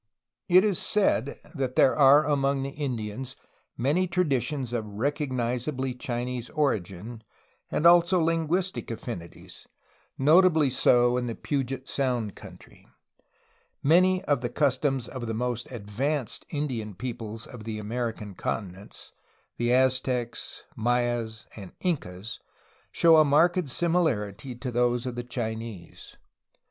It is said that there are among the Indians many traditions of recognizably Chinese origin and also linguistic affinities, notably so in the Puget Sound country. Many of the customs of the most advanced Indian peoples of the American continents, the Aztecs, Mayas, and Incas, show a marked similarity to those of the Chinese.